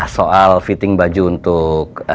soal fitting baju untuk